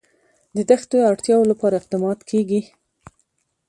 د دښتو د اړتیاوو لپاره اقدامات کېږي.